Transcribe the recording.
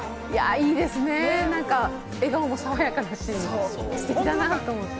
いいですね、笑顔も爽やかだし、ステキだなと。